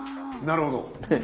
なるほど。